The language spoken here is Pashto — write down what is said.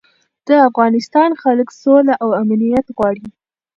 د افغانستان خلک سوله او امنیت غواړي.